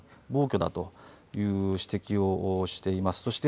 暴挙だという指摘をしています。